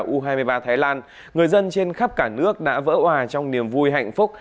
u hai mươi ba thái lan người dân trên khắp cả nước đã vỡ hòa trong niềm vui hạnh phúc